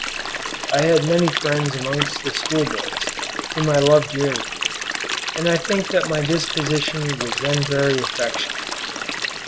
I had many friends amongst the schoolboys, whom I loved dearly, and I think that my disposition was then very affectionate.